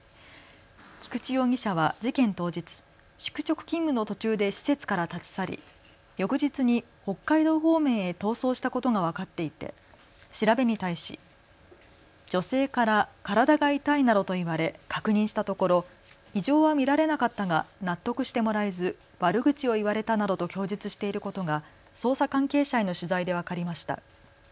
菊池容疑者は事件当日、宿直勤務の途中で施設から立ち去り翌日に北海道方面へ逃走したことが分かっていて調べに対し、女性から体が痛いなどと言われ確認したところ異常は見られなかったが納得してもらえず悪口を言われたなどと供述していることが捜査関係者への取材で分かりました。